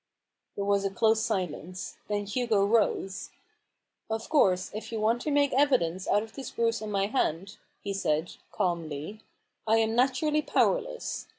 There was a close silence. Then Hugo rose. " Of course if you want to make evidence out of this bruise on my hand," he said, calmly, " I am naturally powerless.